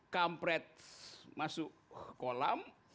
kampret masuk kolam